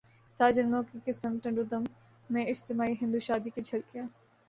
سات جنموں کی قسم ٹنڈو دم میں اجتماعی ہندو شادی کی جھلکیاں